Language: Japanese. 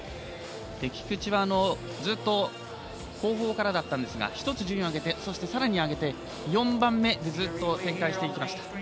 菊池はずっと後方からだったんですが１つ順位を上げて、さらに上げて４番目でずっと展開していきました。